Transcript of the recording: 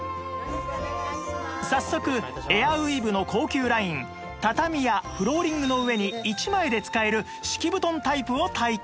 早速エアウィーヴの高級ライン畳やフローリングの上に１枚で使える敷き布団タイプを体験